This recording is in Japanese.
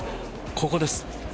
ここです。